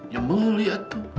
nyembel liat tuh